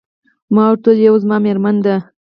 ما ورته وویل: یوه يې زما میرمن ده.